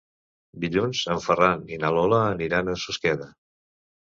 Dilluns en Ferran i na Lola aniran a Susqueda.